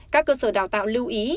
các cơ sở đào tạo lưu ý